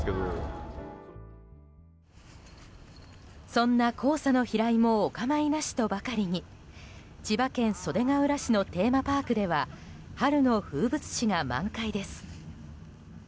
そんな黄砂の飛来もお構いなしとばかりに千葉県袖ケ浦市のテーマパークでは春の風物詩が満開です。